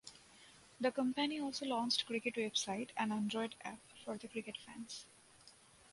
The company also launched cricket website and android app for the cricket fans.